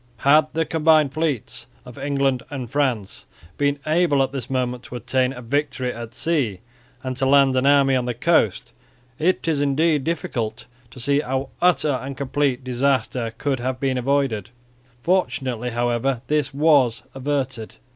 Had the combined fleets of England and France been able at this moment to obtain a victory at sea and to land an army on the coast, it is indeed difficult to see how utter and complete disaster could have been avoided. Fortunately, however, this was averted.